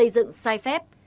dựng sai phép